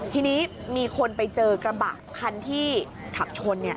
ทีนี้มีคนไปเจอกระบะคันที่ขับชน